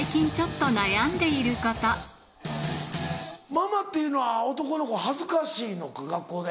ママって言うのは男の子恥ずかしいのか学校で。